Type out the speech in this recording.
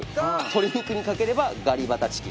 鶏肉にかければガリバタチキン。